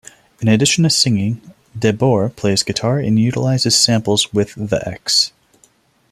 In addition to singing, De Boer plays guitar and utilizes samples with The Ex.